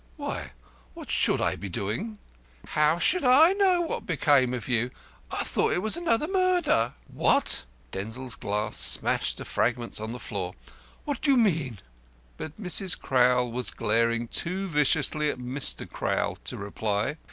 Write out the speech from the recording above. "Why, what should I be doing?" "How should I know what became of you? I thought it was another murder." "What!" Denzil's glass dashed to fragments on the floor. "What do you mean?" But Mrs. Crowl was glaring too viciously at Mr. Crowl to reply.